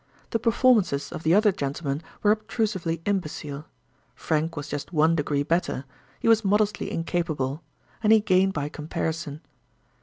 The performances of the other gentlemen were obtrusively imbecile. Frank was just one degree better—he was modestly incapable; and he gained by comparison.